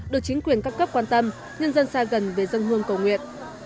được chính quyền các cấp quan tâm nhân dân xa gần về dân hương cầu nguyện